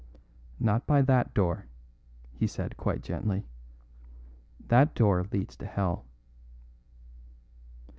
"Not by that door," he said quite gently; "that door leads to hell."